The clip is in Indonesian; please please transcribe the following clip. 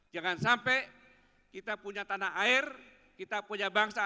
jangan sampai kita punya tanah air kita punya bangsa